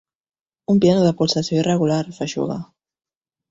Un piano de pulsació irregular, feixuga.